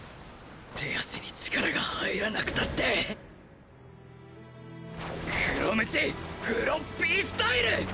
手足に力が入らなくたって黒鞭フロッピースタイル！